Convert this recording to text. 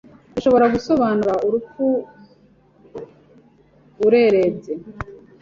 bishobora gusobanura urupfu urerebye